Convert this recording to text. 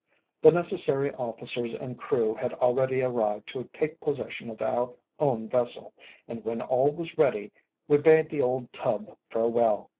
The necessary officers and crew had already arrived to take possession of our own vessel, and when all was ready, we bade the old tub farewell.